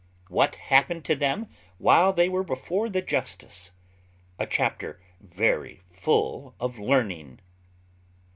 _What happened to them while before the justice. A chapter very full of learning.